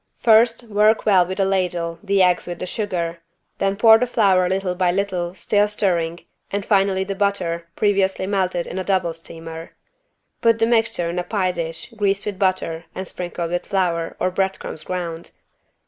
First work well with a ladle the eggs with the sugar, then pour the flour little by little, still stirring, and finally the butter, previously melted in a double steamer (bain marie). Put the mixture in a pie dish greased with butter and sprinkled with flour or bread crumbs ground.